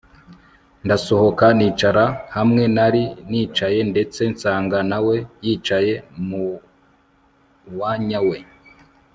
ndasohoka nicara hamwe nari nicaye ndetse nsanga nawe yicaye muwanya we